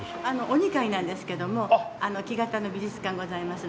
お二階なんですけども木型の美術館ございますので。